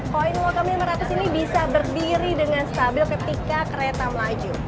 koin lokal lima ratus ini bisa berdiri dengan stabil ketika kereta melaju